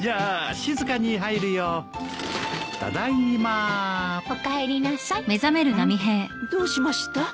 うん？どうしました？